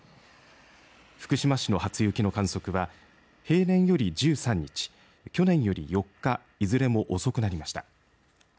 福島市の初雪の観測は平年より１３日去年より４日いずれも遅くなりました。